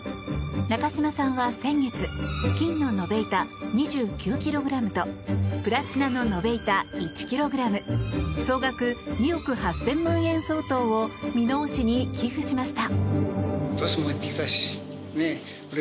中嶋さんは先月金の延べ板２９ｋｇとプラチナの延べ板１ｋｇ総額２億８０００万円相当を箕面市に寄付しました。